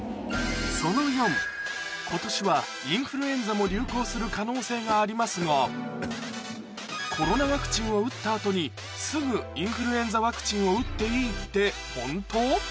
その４今年はインフルエンザも流行する可能性がありますがコロナワクチンを打った後にすぐインフルエンザワクチンを打っていいってホント？